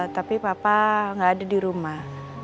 tapi papa nggak ada di rumah